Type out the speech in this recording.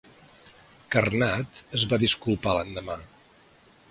Karnad es va disculpar l'endemà.